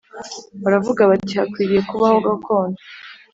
Baravuga bati Hakwiriye kubaho gakondo